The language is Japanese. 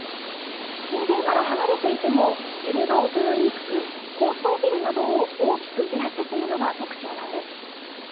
震源から離れていても揺れが衰えにくく高層ビルなどを大きく揺らすのが特徴です。